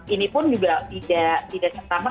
ini pun juga tidak serta